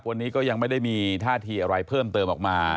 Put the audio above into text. วันนี้ก็ยังไม่ได้มีท่าทีอะไรเพิ่มเติมออกมา